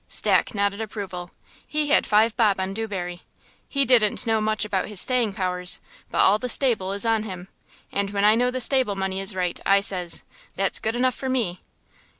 Stack nodded approval. He had five bob on Dewberry. He didn't know much about his staying powers, but all the stable is on him; "and when I know the stable money is right I says, 'That's good enough for me!'"